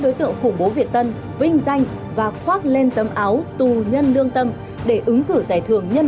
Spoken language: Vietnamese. đối tượng khủng bố việt tân vinh danh và khoác lên tấm áo tù nhân lương tâm để ứng cử giải thưởng nhân